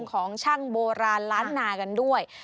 ของช่างโบราณล้านนากันด้วย